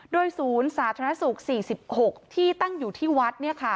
โดยศูนย์สาธารณสุข๔๖ที่ตั้งอยู่ที่วัด